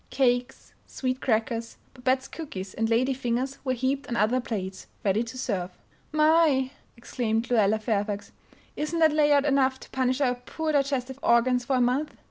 Cakes, sweet crackers, Babette's cookies and lady fingers were heaped on other plates, ready to serve. "My!" exclaimed Lluella Fairfax, "isn't that lay out enough to punish our poor digestive organs for a month?